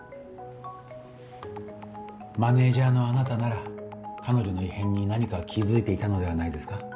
マネジャーのあなたなら彼女の異変に何か気付いていたのではないですか？